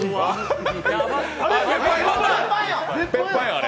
あれ？